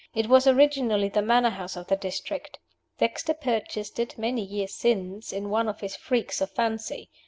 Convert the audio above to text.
It was originally the manor house of the district. Dexter purchased it many years since in one of his freaks of fancy.